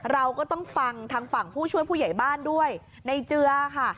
เราก็ต้องฟังทางฝั่งผู้ช่วยผู้ใหญ่บ้านด้วยในเจือค่ะ